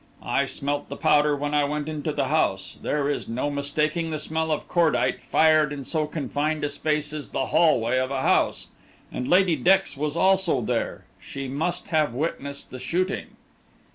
I smelt the powder when I went into the house; there is no mistaking the smell of cordite fired in so confined a place as the hallway of a house. And Lady Dex was also there; she must have witnessed the shooting."